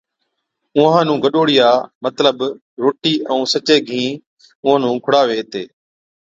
اُونھان نُون گڏھوڙِيا مطلب روٽِي ائُون سچي گھِين اُونھان نُون کُڙاوي ھِتي